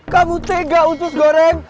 kamu tega usus goreng